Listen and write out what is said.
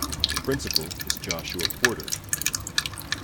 The principal is Joshua Porter.